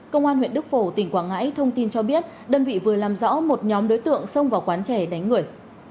công an huyện đức phổ tỉnh quảng ngãi thông tin cho biết đơn vị vừa làm rõ một nhóm đối tượng xông vào quán trẻ đánh người